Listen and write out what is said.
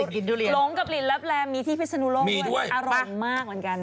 หลงกับลินลับแลมีที่พิศนุโลกด้วยอร่อยมากเหมือนกัน